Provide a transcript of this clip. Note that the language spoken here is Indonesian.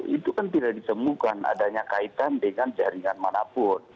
itu kan tidak ditemukan adanya kaitan dengan jaringan manapun